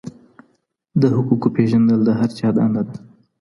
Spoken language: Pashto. د حقوقو پېژندل د هر چا دنده ده.